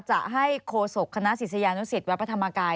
จะให้โคศกคณะศิษยานุสิตวัดพระธรรมกาย